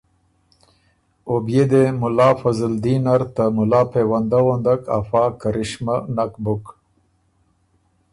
او بيې دې مُلا فضلدین نر ته مُلا پېونده غُندک افا کرشمه نک بُک